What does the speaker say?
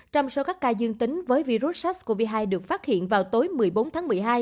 trong số các ca dương tính với virus sars cov hai được phát hiện vào tối một mươi bốn tháng một mươi hai